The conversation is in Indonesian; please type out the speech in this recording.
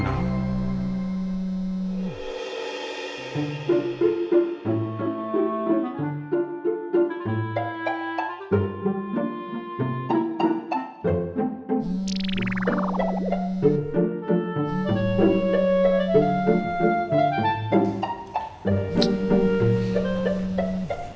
silakan masuk ya